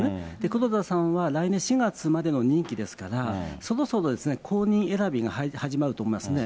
黒田さんは来年４月までの任期ですから、そろそろ後任選びが始まると思いますね。